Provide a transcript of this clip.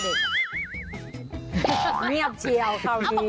เงียบเชียบคราวนี้